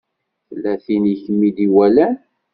Tella tin i kem-id-iwalan.